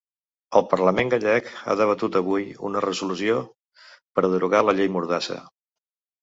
El parlament gallec ha debatut avui una resolució per a derogar la llei mordassa.